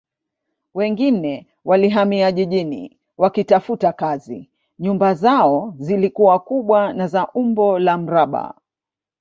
Wengine walihamia jijini wakitafuta kazi nyumba zao zilikuwa kubwa na za umbo la mraba